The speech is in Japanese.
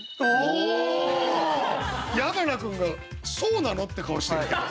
矢花君が「そうなの？」って顔してるけど。